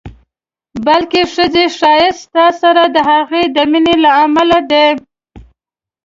بلکې ښځې ښایست ستا سره د هغې د مینې له امله دی.